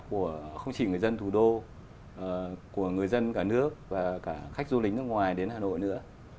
của không chỉ người dân thủ đô của người dân cả nước và cả khách du lịch nước ngoài đến hà nội nữa